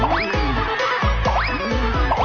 ว้าว